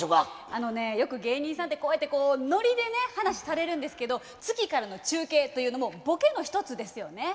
あのねよく芸人さんってこうやってノリでね話しされるんですけど月からの中継というのもボケの一つですよね。